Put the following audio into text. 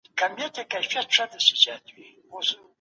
د توقع قانون ستاسو کړنو ته لارښوونه کوي.